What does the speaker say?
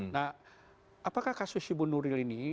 nah apakah kasus ibu nuril ini